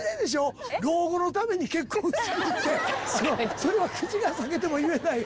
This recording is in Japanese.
それは口が裂けても言えない。